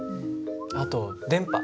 あと電波。